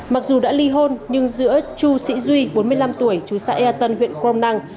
mặc dù đã ly hôn nhưng giữa chu sĩ duy bốn mươi năm tuổi chú xã ea tân huyện crom năng